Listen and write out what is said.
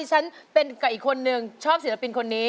ฉันเป็นกับอีกคนนึงชอบศิลปินคนนี้